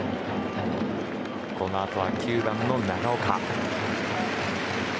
このあとは９番、長岡。